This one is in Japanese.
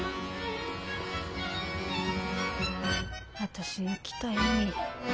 私の来た意味。